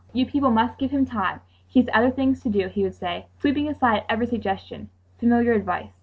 You people must give him time. He has other things to do," he would say, sweeping aside every suggestion. Familiar advice!